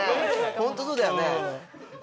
ホントそうだよね。